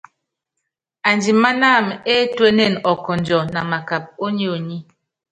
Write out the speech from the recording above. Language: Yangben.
Andimanámɛ étuénene ɔkɔndjɔ na makap ó nyonyi.